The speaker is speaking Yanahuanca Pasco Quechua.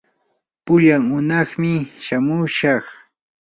pullan hunaqmi shamushaq.